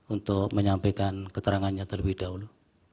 untuk menyampaikan keterangannya terlebih dahulu